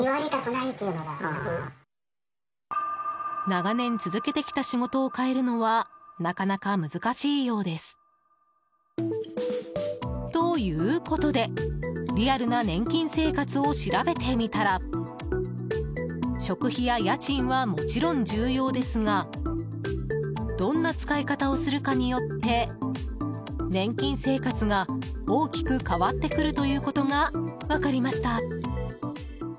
長年続けてきた仕事を変えるのはなかなか難しいようです。ということでリアルな年金生活を調べてみたら食費や家賃はもちろん重要ですがどんな使い方をするかによって年金生活が大きく変わってくるということが分かりました。